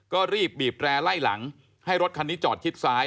ก็รีบบีบแร่ไล่หลังให้รถคันนี้จอดชิดซ้าย